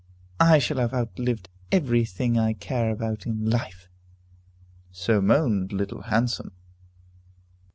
I shall have outlived every thing I care about in life!" So moaned Little Handsome.